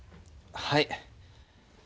はい。